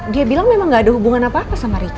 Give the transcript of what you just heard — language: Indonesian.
dia bilang memang gak ada hubungan apa apa sama richar